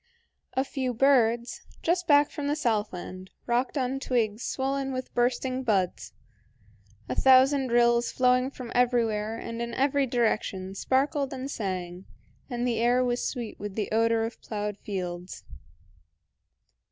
A few birds, just back from the southland, rocked on twigs swollen with bursting buds, a thousand rills flowing from everywhere and in every direction sparkled and sang, and the air was sweet with the odor of ploughed fields.